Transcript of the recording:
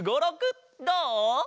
どう？